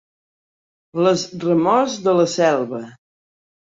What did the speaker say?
Les remors de la selva.